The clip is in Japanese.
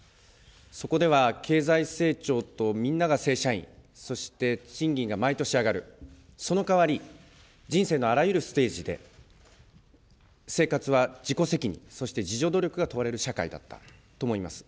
そこでは、経済成長とみんなが正社員、そして賃金が毎年上がる、その代わり、人生のあらゆるステージで、生活は自己責任、そして自助努力が問われる社会だったと思います。